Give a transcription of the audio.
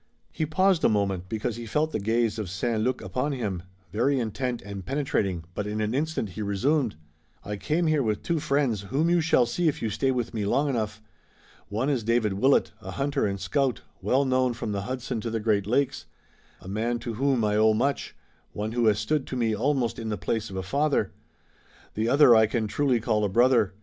He paused a moment, because he felt the gaze of St. Luc upon him, very intent and penetrating, but in an instant he resumed: "I came here with two friends whom you shall see if you stay with me long enough. One is David Willet, a hunter and scout, well known from the Hudson to the Great Lakes, a man to whom I owe much, one who has stood to me almost in the place of a father. The other I can truly call a brother.